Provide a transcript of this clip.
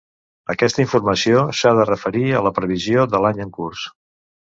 Aquesta informació s'ha de referir a la previsió de l'any en curs.